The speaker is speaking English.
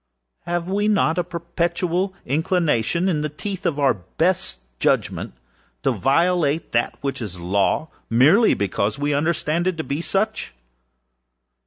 Have we not a perpetual inclination, in the teeth of our best judgment, to violate that which is Law, merely because we understand it to be such?